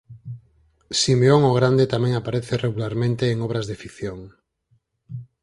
Simeón o Grande tamén aparece regularmente en obras de ficción.